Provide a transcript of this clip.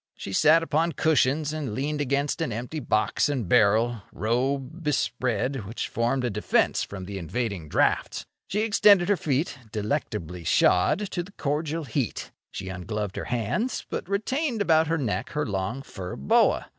She sat upon cushions and leaned against an empty box and barrel, robe bespread, which formed a defence from the invading draughts. She extended her feet, delectably shod, to the cordial heat. She ungloved her hands, but retained about her neck her long fur boa.